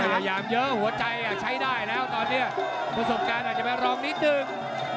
พยายามเยอะหัวใจใช้ได้แล้วตอนนี้ประสบการณ์อาจจะไปรองนิดนึง